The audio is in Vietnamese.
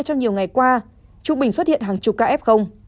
trong nhiều ngày qua trung bình xuất hiện hàng chục kf